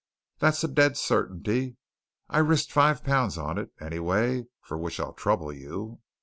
"That's a dead certainty! I risked five pounds on it, anyway, for which I'll trouble you.